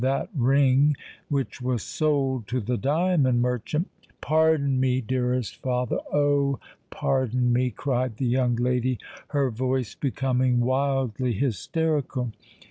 That ring which was sold to the diamond merchant——" "Pardon me, dearest father—oh! pardon me!" cried the young lady, her voice becoming wildly hysterical.